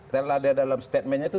kalau ada dalam statementnya itu